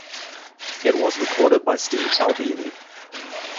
It was recorded by Steve Albini.